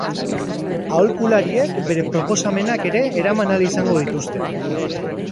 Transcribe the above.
Aholkulariek bere proposamenak ere eraman ahal izango dituzte.